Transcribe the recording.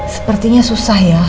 sepertinya susah ya